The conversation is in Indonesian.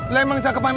lah emang cakepan hani